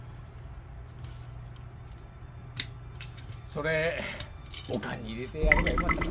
それお棺に入れてやればよかったかな。